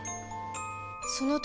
その時